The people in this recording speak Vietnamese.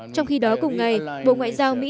trong khi đó cùng ngày bộ ngoại giao mỹ